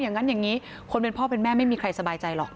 อย่างนั้นอย่างนี้คนเป็นพ่อเป็นแม่ไม่มีใครสบายใจหรอก